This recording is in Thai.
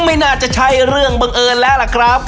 ไม่น่าจะใช่เรื่องบังเอิญแล้วล่ะครับ